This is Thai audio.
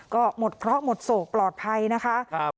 ก็หมดเคราะห์หมดโศกปลอดภัยนะคะ